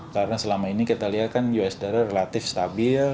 karena selama ini kita lihat kan usd relatif stabil